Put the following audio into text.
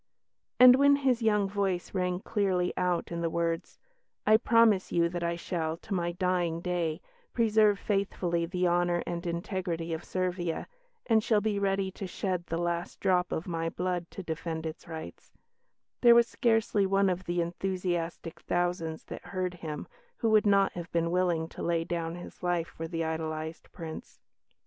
And when his young voice rang clearly out in the words, "I promise you that I shall, to my dying day, preserve faithfully the honour and integrity of Servia, and shall be ready to shed the last drop of my blood to defend its rights," there was scarcely one of the enthusiastic thousands that heard him who would not have been willing to lay down his life for the idolised Prince.